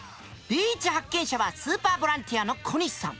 第１発見者はスーパーボランティアの小西さん。